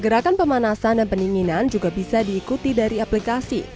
gerakan pemanasan dan pendinginan juga bisa diikuti dari aplikasi